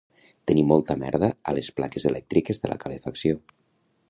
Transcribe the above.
Tenir molta merda a les plaques electriques de la calefacció